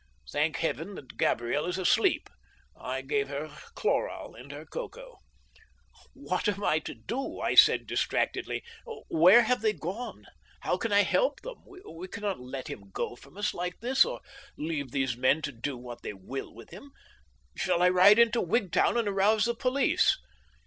Thank Heaven that Gabriel is asleep. I gave her chloral in her cocoa.' "'What am I to do?' I said distractedly. "'Where have they gone? How can I help him? We cannot let him go from us like this, or leave these men to do what they will with him. Shall I ride into Wigtown and arouse the police?'